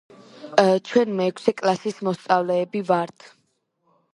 ჩვენ მეექვსე კლასის მოსწავლეები ვართ